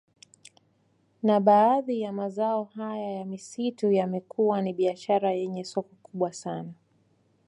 Na baadhi ya mazao haya ya misitu yamekuwa ni biashara yenye soko kubwa sana